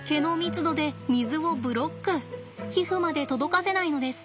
皮膚まで届かせないのです。